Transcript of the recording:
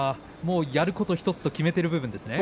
やること１つと決めている部分ですね。